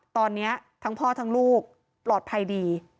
ตอนนี้ทั้งพ่อทั้งลูกปลอดภัยดี